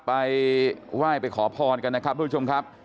ไปไหว้ไปขอพรกันนะครับทุกผู้ชมครับ